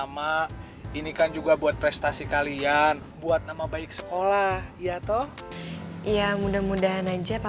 pak rt rt siapa